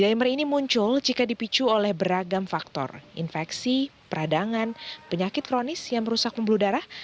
dimer ini muncul jika dipicu oleh beragam faktor infeksi peradangan penyakit kronis yang merusak pembuluh darah